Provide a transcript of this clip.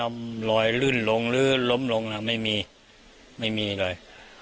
ถ้าตกน้ำแล้วลอยลื่นลงลื้นล้มลงไม่มีไม่มีเลย